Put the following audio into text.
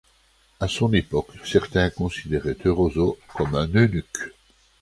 À son époque, certains considéraient Erauso comme un eunuque.